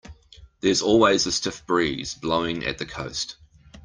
There's always a stiff breeze blowing at the coast.